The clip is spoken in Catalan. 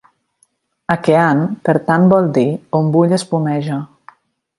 Akean, per tant, vol dir "on bull o espumeja".